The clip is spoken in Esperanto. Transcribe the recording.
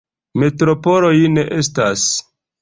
Metropoloj ne estas.